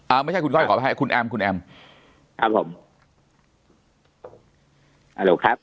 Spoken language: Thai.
อ่าไม่ใช่คุณก้อยขอแพทย์คุณแอมคุณแอมครับผมครับ